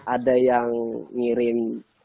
ada yang ngirim